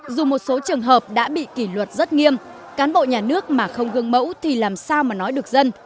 dù một số trường hợp đã bị kỷ luật rất nghiêm cán bộ nhà nước mà không gương mẫu thì làm sao mà nói được dân